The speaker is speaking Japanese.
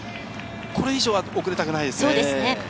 これ以上は遅れたくないですね。